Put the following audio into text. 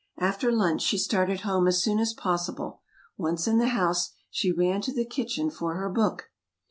After lunch, she started home as soon as possible. Once in the house, she ran to the kitchen for her book.